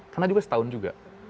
kena juga setahun juga